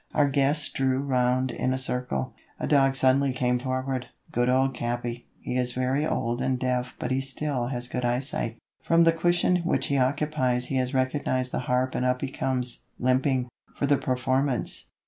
Our guests drew round us in a circle. A dog suddenly came forward. Good old Capi, he is very old and deaf but he still has good eyesight. From the cushion which he occupies he has recognized the harp and up he comes, limping, for "the Performance."